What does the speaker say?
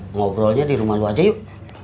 ngobrolnya dirumah lu aja yuk